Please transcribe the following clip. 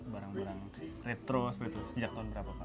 barang barang retro sejak tahun berapa pak